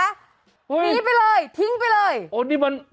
หนีไปเลยทิ้งไปเลย